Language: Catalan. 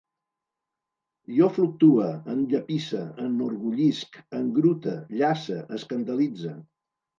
Jo fluctue, enllepisse, enorgullisc, engrute, llace, escandalitze